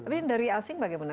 tapi dari asing bagaimana